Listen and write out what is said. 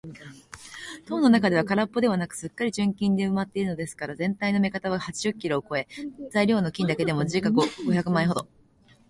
塔の中はからっぽではなく、すっかり純金でうずまっているのですから、ぜんたいの目方は八十キロをこえ、材料の金だけでも時価五百万円ほど